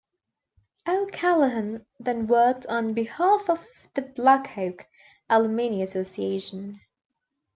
O'Callahan then worked on behalf of the Blackhawk Alumni Association.